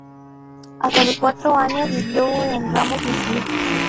Hasta los cuatro años vivió en Ramos Mejía.